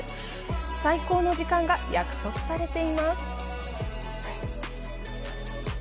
最高の時間が約束されています。